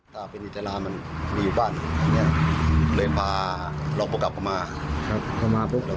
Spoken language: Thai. ถ้าเป็นอิจาระมันมีอยู่บ้านเลยพาหลงปุ๊กกลับเข้ามาครับเข้ามาปุ๊ก